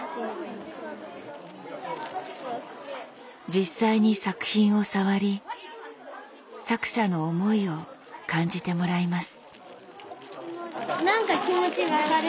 実際に作品を触り作者の思いを感じてもらいます。